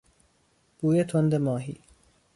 بوی تند ماهی